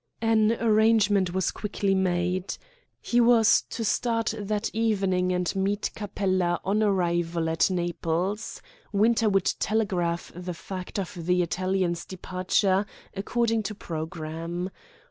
An arrangement was quickly made. He was to start that evening and meet Capella on arrival at Naples; Winter would telegraph the fact of the Italian's departure according to programme.